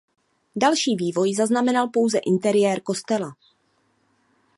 Další vývoj zaznamenal pouze interiér kostela.